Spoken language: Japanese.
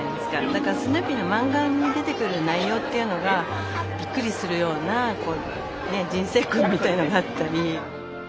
だからスヌーピーのマンガに出てくる内容っていうのがびっくりするようなこうね人生訓みたいなのがあったり。